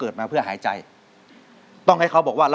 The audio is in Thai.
ดี